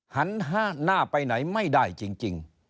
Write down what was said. หันหน้าไปไหนไม่ได้จริง